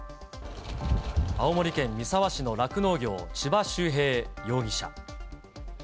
青森県三沢市の酪農業、千葉修平容疑者。